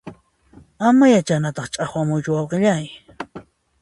Ama ya chayhinata ch'aqwamuychu wayqillay